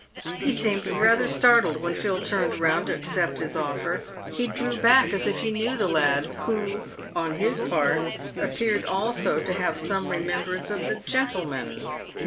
He seemed rather startled when Phil turned round to accept his offer. He drew back as if he knew the lad, who, on his part, appeared also to have some remembrance of the gentleman.